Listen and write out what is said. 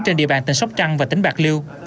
trên địa bàn tỉnh sóc trăng và tỉnh bạc liêu